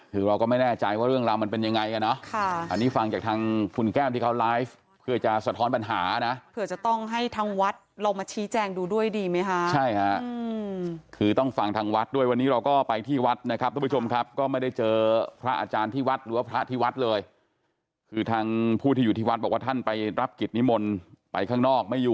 คือเราก็ไม่แน่ใจว่าเรื่องราวมันเป็นยังไงอ่ะเนาะค่ะอันนี้ฟังจากทางคุณแก้มที่เขาไลฟ์เพื่อจะสะท้อนปัญหานะเผื่อจะต้องให้ทางวัดลองมาชี้แจงดูด้วยดีไหมคะใช่ค่ะคือต้องฟังทางวัดด้วยวันนี้เราก็ไปที่วัดนะครับทุกผู้ชมครับก็ไม่ได้เจอพระอาจารย์ที่วัดหรือว่าพระที่วัดเลยคือทางผู้ที่อยู่ที่วัดบอกว่าท่านไปรับกิจนิมนต์ไปข้างนอกไม่อยู่